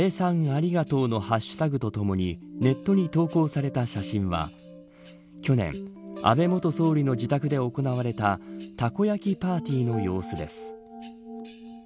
ありがとうのハッシュタグとともにネットに投稿された写真は去年安倍元総理の自宅で行われたたこ焼きパーティーの様子です。